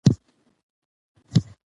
که علم خپور سي، ناپوهي ختمېږي.